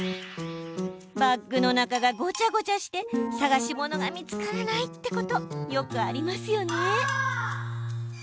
バッグの中がごちゃごちゃして探しものが見つからないってことよくありますよね。